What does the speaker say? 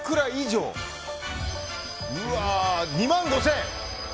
２万５０００円！